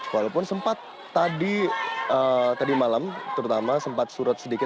walaupun sempat tadi malam terutama sempat surut sedikit